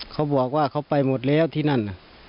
เขาบอกว่าเขาไปหมดแล้วที่นั่น